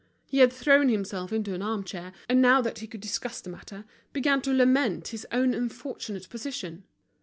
He had thrown himself into an arm chair, and now that he could discuss the matter, began to lament his own unfortunate position.